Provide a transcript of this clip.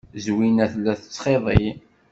Zwina tella tettxiḍi.